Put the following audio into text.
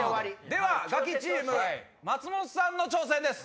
ではガキチーム松本さんの挑戦です！